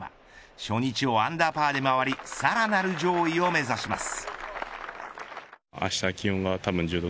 初日をアンダーパーで回りさらなる上位を目指します。